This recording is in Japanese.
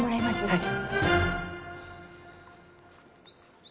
はい。